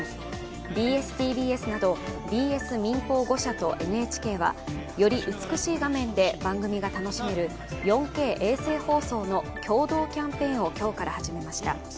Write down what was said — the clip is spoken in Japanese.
ＢＳ−ＴＢＳなどＢＳ民放５社とＮＨＫはより美しい画面で番組が楽しめる４Ｋ衛星放送の共同キャンペーンを今日から始めました。